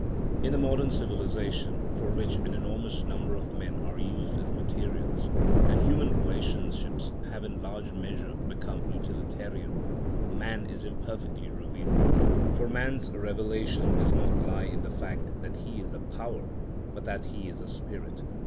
In the modern civilisation, for which an enormous number of men are used as materials, and human relationships have in a large measure become utilitarian, man is imperfectly revealed. For man's revelation does not lie in the fact that he is a power, but that he is a spirit.